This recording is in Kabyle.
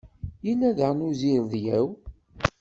Yella daɣen uzirdyaw.